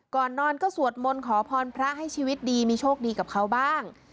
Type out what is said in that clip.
ก่อนนอนก็สวดมนต์ขอพรพระให้ชีวิตดีมีโชคดีกับเขาบ้าง